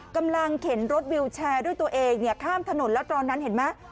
เข็นรถวิวแชร์ด้วยตัวเองเนี่ยข้ามถนนแล้วตอนนั้นเห็นไหม